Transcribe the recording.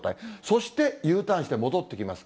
そして、Ｕターンして戻ってきます。